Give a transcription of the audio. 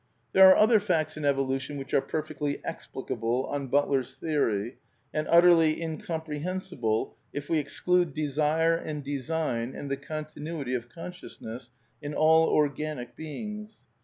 There are other facts in erolution which are perfectly \^ explicable on Butler's theory, and utterly incomprehensible^j^ if we exclude desire and design and the continuity of con sciousness in all organic beings.